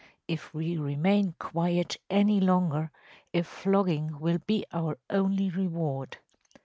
If we remain quiet any longer a flogging will be our only reward.